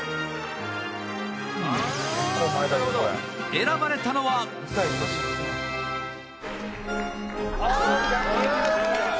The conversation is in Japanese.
選ばれたのは森口：